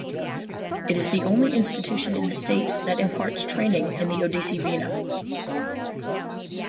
It is the only institution in the state that imparts training in Odissi Veena.